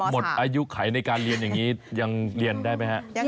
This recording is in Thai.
หมดอายุไขในการเรียนอย่างนี้ยังเรียนได้ไหมฮะ